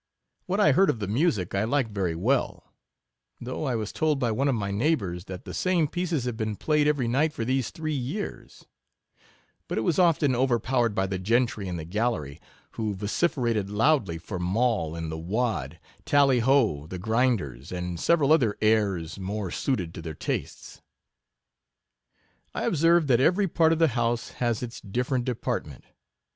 What I heard of the music, I liked very well ; (though I was told by one of my neighbours, that the same pieces have been played every night for these three years ;) but it was often overpowered by the gentry in the gallery, who vociferated loudly for Moll in the Wad, Tally ho the Grinders, and several other airs more suited to their tastes. I observed that every part of the house has its different department.